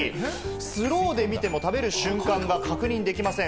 スローで見ても、食べる瞬間が確認できません。